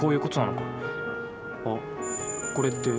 あこれって。